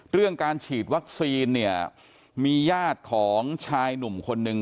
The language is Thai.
เรื่องการฉีดวัคซีนเนี่ยมีญาติของชายหนุ่มคนนึง